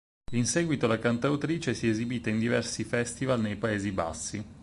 In seguito la cantautrice si è esibita in diversi festival nei Paesi Bassi.